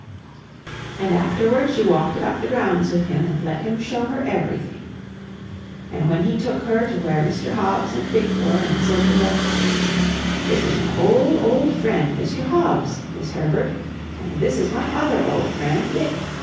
And afterward she walked about the grounds with him, and let him show her everything. And when he took her to where Mr. Hobbs and Dick were, and said to her, "This is my old, old friend Mr. Hobbs, Miss Herbert, and this is my other old friend Dick.